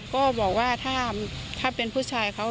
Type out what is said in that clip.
ก็บอกว่าถ้าเป็นผู้ชายเขา